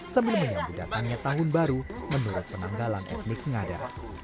sebelumnya berdatangnya tahun baru menurut penanggalan etnik ngada